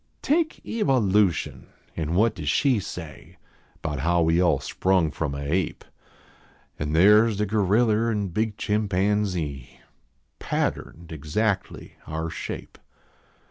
Take Kva I v ution, an what does she say Bout how we all sprung from a ape ? An there s the goriller and big chimpanx.ee, Patterned exactly our shape.